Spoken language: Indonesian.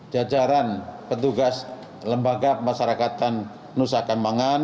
jajaran petugas lembaga pemasarakatan nusa kambangan